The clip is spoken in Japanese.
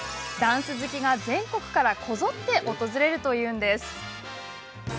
ダンス好きが全国からこぞって訪れるというんです。